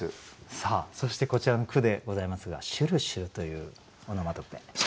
さあそしてこちらの句でございますが「しゅるしゅる」というオノマトペ。